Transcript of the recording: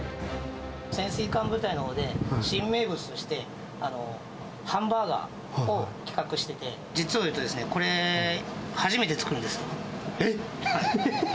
潜水艦部隊のほうで、新名物として、ハンバーガーを企画してて、実を言うと、これ、初めて作るんえっ？